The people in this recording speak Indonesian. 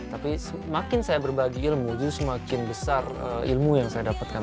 tapi semakin saya berbagi ilmu itu semakin besar ilmu yang saya dapatkan